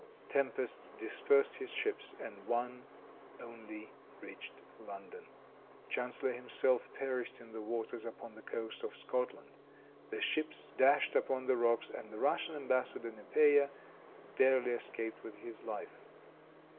Tempests dispersed his ships, and one only reached London. Chanceller himself perished in the waves upon the coast of Scotland. The ships dashed upon the rocks, and the Russian embassador, Nepeia, barely escaped with his life.